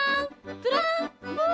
プラン。